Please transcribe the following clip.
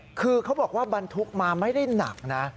คือเขาบอกว่าบรรทุกมาไม่ได้หนักนะ